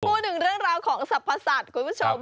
พูดถึงเรื่องราวของสรรพสัตว์คุณผู้ชม